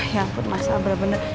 ya ampun masa bener bener